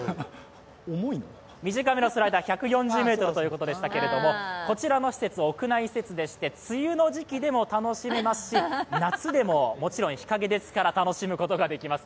短めのスライダー１４０ｍということでしたけれどもこちらの施設、屋内施設でして、梅雨の時期でも楽しめますし夏でももちろん日陰ですから楽しむことができます。